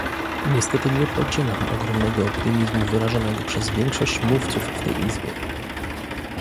Niestety nie podzielam ogromnego optymizmu wyrażanego przez większość mówców w tej Izbie